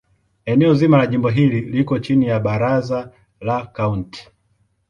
Eneo zima la jimbo hili liko chini ya Baraza la Kaunti.